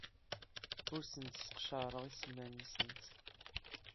Ur asent-sseqcareɣ iselman-nsent.